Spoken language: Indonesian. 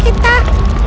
kita akan segera mati